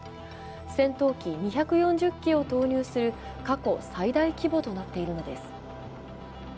戦闘機２４０機を投入する過去最大規模となっているのです。